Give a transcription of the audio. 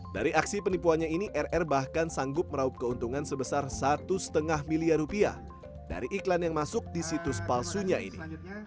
dari aksi penipuannya ini rr bahkan sanggup meraup keuntungan sebesar satu lima miliar rupiah dari iklan yang masuk di situs palsunya ini